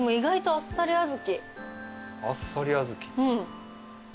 「あっさり小豆」